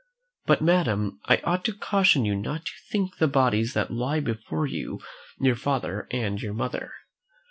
But, madam, I ought to caution you not to think the bodies that lie before you your father and your mother.